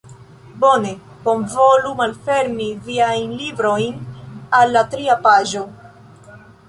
Bone. Bonvolu malfermi viajn librojn al la tria paĝo.